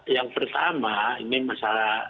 yang pertama ini masalah